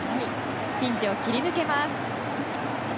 ピンチを切り抜けます。